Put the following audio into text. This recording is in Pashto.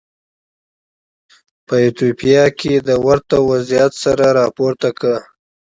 په ایتوپیا کې د ورته وضعیت سر راپورته کړ.